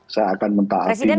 saya akan mentaatinya